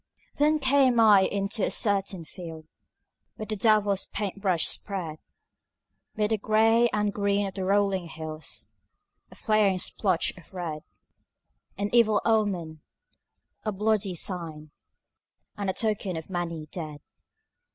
Then came I into a certain field Where the devil's paint brush spread 'Mid the gray and green of the rolling hills A flaring splotch of red, An evil omen, a bloody sign, And a token of many dead.